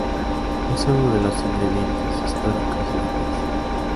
Es uno de los ingredientes históricos de la pizza.